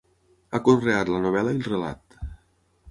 Ha conreat la novel·la i el relat.